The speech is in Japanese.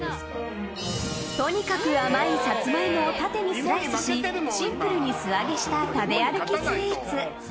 とにかく甘いサツマイモを縦にスライスしシンプルに素揚げした食べ歩きスイーツ。